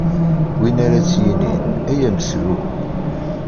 Win ara s-yinin: Ay ameslub!